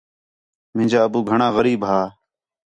مینجا ابو گھݨاں غریب ہا